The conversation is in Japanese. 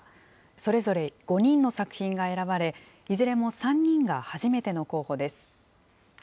それぞれ５人の作品が選ばれ、いずれも３人が初めての候補です。